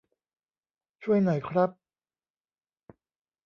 ช่วยหน่อยครับ